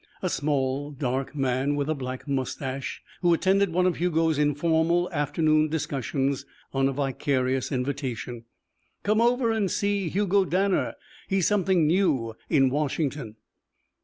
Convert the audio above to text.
A small, dark man with a black moustache who attended one of Hugo's informal afternoon discussions on a vicarious invitation. "Come over and see Hugo Danner. He's something new in Washington."